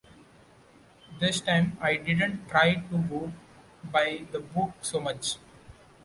This time I didn't try to go by the book so much.